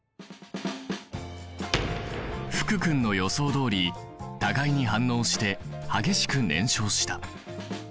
福君の予想通り互いに反応して激しく燃焼した。